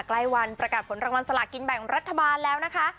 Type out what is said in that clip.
ใกล้วันประกาศผลรางวัลสลากินแบ่งรัฐบาลแล้วนะคะ